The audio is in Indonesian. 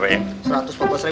ayo berusia pak aji